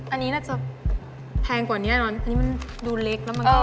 อันนี้น่าจะแพงกว่านี้เนอะอันนี้มันดูเล็กแล้วมันก็